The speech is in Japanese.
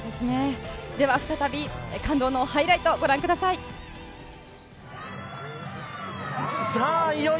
では、再び感動のハイライトをご覧ください。